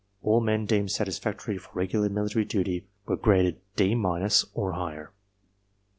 All men deemed satisfactory for regular military duty were graded D — or higher.